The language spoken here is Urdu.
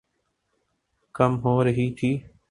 کم ہو رہی تھِی